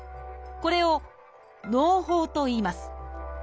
これを「のう胞」といいます。